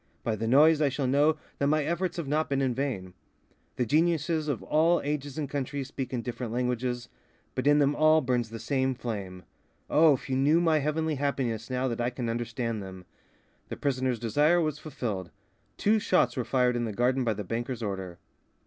By the noise I shall know that my efforts have not been in vain. The geniuses of all ages and countries speak in different languages; but in them all burns the same flame. Oh, if you knew my heavenly happiness now that I can understand them!" The prisoner's desire was fulfilled. Two shots were fired in the garden by the banker's order.